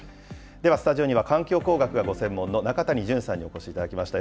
ではスタジオには、環境工学がご専門の中谷隼さんにお越しいただきました。